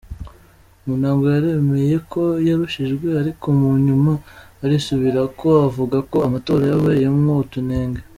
Mu ntango yaremeye ko yarushijwe, ariko mu nyuma arisubirako, avuga ko amatora yabayemwo utunenge.